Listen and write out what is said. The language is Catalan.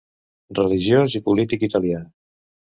Religiós i polític italià.